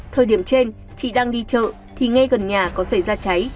thời điểm trên chị đang đi chợ thì ngay gần nhà có xảy ra cháy